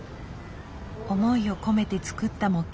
思いを込めて作った模型。